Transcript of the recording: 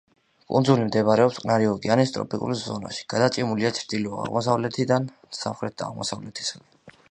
კუნძული მდებარეობს წყნარი ოკეანის ტროპიკულ ზონაში, გადაჭიმულია ჩრდილო-დასავლეთიდან სამხრეთ-აღმოსავლეთისაკენ.